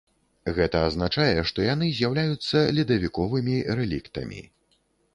Гэта азначае, што яны з'яўляюцца ледавіковымі рэліктамі.